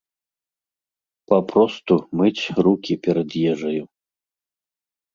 Папросту, мыць рукі перад ежаю.